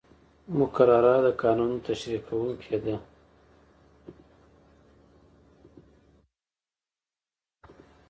مقرره د قانون تشریح کوونکې ده.